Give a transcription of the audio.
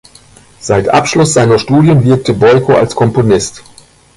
Seit Abschluss seiner Studien wirkte Boiko als Komponist.